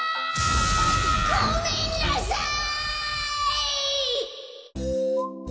・ごめんなさい！